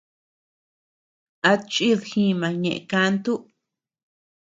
¿A chid jima ñeʼe kantu?